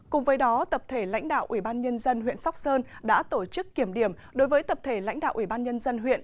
cùng với đó tập thể lãnh đạo ủy ban nhân dân huyện sóc sơn đã tổ chức kiểm điểm đối với tập thể lãnh đạo ủy ban nhân dân huyện